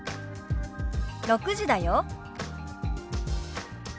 「６時だよ」。